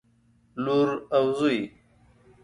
لور او زوى